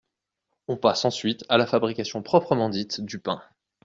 On passe ensuite à la fabrication proprement dite du pain.